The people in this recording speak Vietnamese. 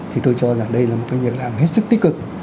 thì tôi cho rằng đây là một cái việc làm hết sức tích cực